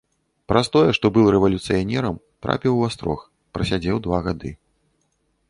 Праз тое, што быў рэвалюцыянерам, трапіў у астрог, прасядзеў два гады.